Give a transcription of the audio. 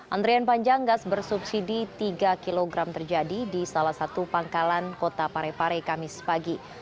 antrian panjang gas bersubsidi tiga kg terjadi di salah satu pangkalan kota parepare kamis pagi